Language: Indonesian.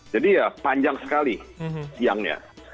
jadi ya panjang sekali siangnya